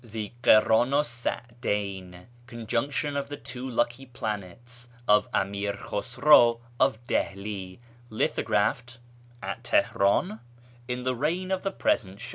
The Kirdnu 's Sadeyn (" Conjunction of the Two Luclcy Planets ") of Amir Khusraw of Dihli. Lithographed (? at Teheran) in the reign of the present Shah.